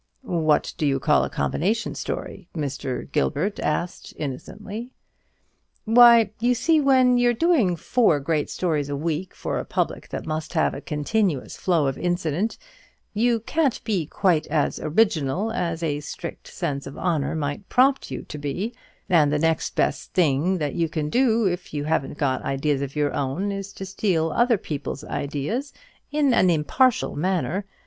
"What do you call a combination story?" Mr. Gilbert asked, innocently. "Why, you see, when you're doing four great stories a week for a public that must have a continuous flow of incident, you can't be quite as original as a strict sense of honour might prompt you to be; and the next best thing you can do, if you haven't got ideas of your own, is to steal other people's ideas in an impartial manner.